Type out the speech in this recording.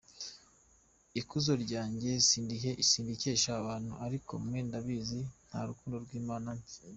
Ikuzo ryanjye sindikesha abantu; ariko mwe ndabizi: Nta rukundo rw’Imana mwifitemo.